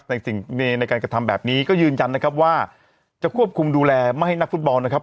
สิ่งในการกระทำแบบนี้ก็ยืนยันนะครับว่าจะควบคุมดูแลไม่ให้นักฟุตบอลนะครับ